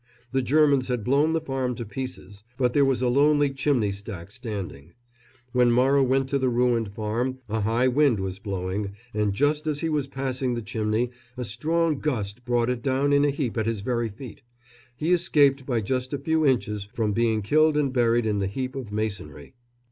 The Germans had blown the farm to pieces, but there was a lonely chimney stack standing. When Morrow went to the ruined farm a high wind was blowing, and just as he was passing the chimney a strong gust brought it down in a heap at his very feet. He escaped by just a few inches from being killed and buried in the heap of masonry.